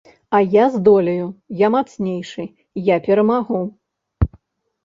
А я здолею, я мацнейшы, я перамагу.